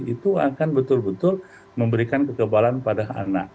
itu akan betul betul memberikan kekebalan pada anak